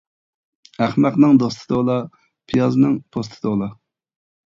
ئەخمەقنىڭ دوستى تولا، پىيازنىڭ پوستى تولا.